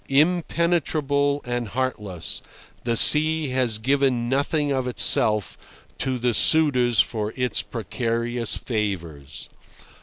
Impenetrable and heartless, the sea has given nothing of itself to the suitors for its precarious favours.